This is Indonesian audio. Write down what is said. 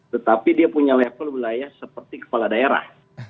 tetapi dia punya level wilayah seperti kepala daerah